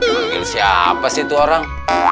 manggil siapa sih itu orang